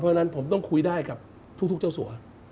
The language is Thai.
เพราะฉะนั้นผมต้องคุยได้กับทุกเจ้าสัว